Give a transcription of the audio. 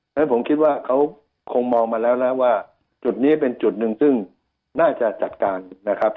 เพราะฉะนั้นผมคิดว่าเขาคงมองมาแล้วนะว่าจุดนี้เป็นจุดหนึ่งซึ่งน่าจะจัดการนะครับ